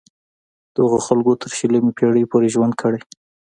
دغو خلکو تر شلمې پیړۍ پورې ژوند کړی.